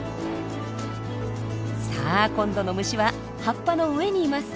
さあ今度の虫は葉っぱの上にいます。